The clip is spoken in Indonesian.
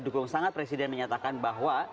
dukung sangat presiden menyatakan bahwa